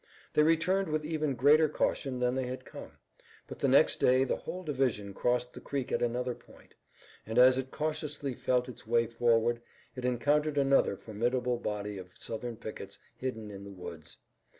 They returned with even greater caution than they had come, but the next day the whole division crossed the creek at another point, and as it cautiously felt its way forward it encountered another formidable body of Southern pickets hidden in the woods.